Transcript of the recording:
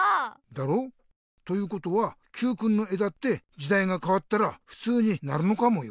だろ？ということはＱくんの絵だってじだいがかわったらふつうになるのかもよ。